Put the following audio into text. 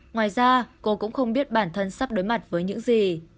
ngoài ra cô cũng không biết bản thân sắp đối mặt với những gì